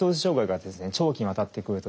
長期にわたってくるとですね